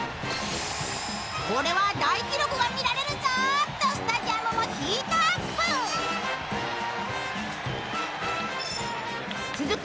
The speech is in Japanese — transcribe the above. これは大記録が見られるぞとスタジアムもヒートアップ続く